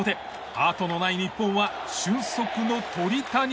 あとのない日本は俊足の鳥谷が。